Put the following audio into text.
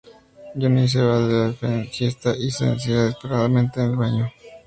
Johnny se va de la fiesta y se encierra desesperadamente en el baño.